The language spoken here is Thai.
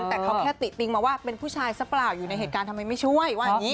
แต่เขาแค่ติติงมาว่าเป็นผู้ชายซะเปล่าอยู่ในเหตุการณ์ทำไมไม่ช่วยว่าอย่างนี้